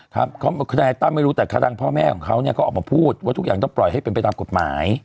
ทนายตั้มไม่รู้แต่เขาดังพ่อแม่ของเขาเนี่ยก็ออกมาพูดว่าทุกอย่างต้องปล่อยให้เป็นไปตามกฎหมาย